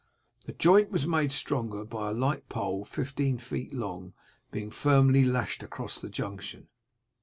The joint was made stronger by a light pole fifteen feet long being firmly lashed across the junction.